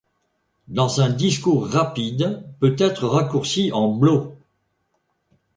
Dans un discours rapide, peut être raccourci en blo.